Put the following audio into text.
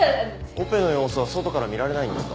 オペの様子は外から見られないんですか？